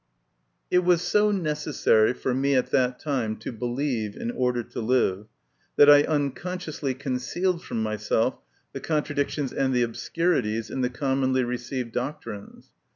It was so necessary for me at that time to believe in order to live, that I unconsciously concealed from myself the contradictions and the obscurities in the commonly received doctrines.